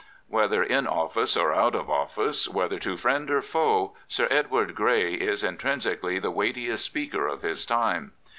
Whether in office or out of office, whether to friend or foe. Sir Edward Grey is intrinsi cally the weightiest speaker of his time.